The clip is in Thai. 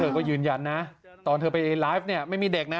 ก็ยืนยันนะตอนเธอไปไลฟ์เนี่ยไม่มีเด็กนะ